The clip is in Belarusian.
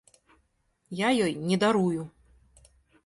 Я ёй не дарую!